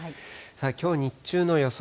きょう日中の予想